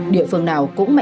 địa phương nào cũng mất